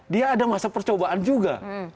dia ada masa percobaan juga